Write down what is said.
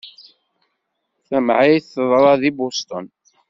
Tamεayt teḍra deg Boston.